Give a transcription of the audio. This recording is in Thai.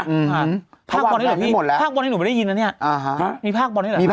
อื้อภาคบอลนี้เหลือไม่หมดแล้วภาคบอลนี้หนูไม่ได้ยินนะเนี่ยมีภาคบอลนี้เหลือไหม